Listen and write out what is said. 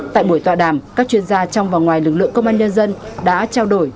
tại buổi tọa đàm các chuyên gia trong và ngoài lực lượng công an nhân dân đã trao đổi